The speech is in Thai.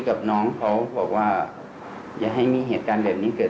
ก็คือจะปรับตัวให้ดีแบบนี้